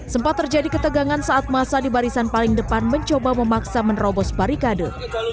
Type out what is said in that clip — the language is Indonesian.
sempat terjadi ketegangan saat masa di barisan paling depan mencoba memaksa menerobos barikade